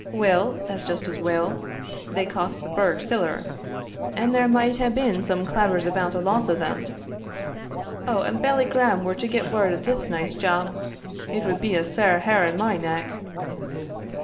Weel, that's just as weel they cost the burgh siller, and there might hae been some clavers about the loss o' them. O, an Bailie Grahame were to get word o' this night's job, it would be a sair hair in my neck!"